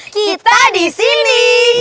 kita di sini